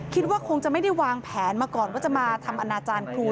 คิดว่าคงจะไม่ได้วางแผนมาก่อนว่าจะมาทำอนาจารย์ครู